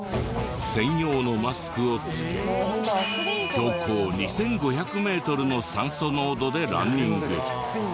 専用のマスクをつけ標高２５００メートルの酸素濃度でランニング。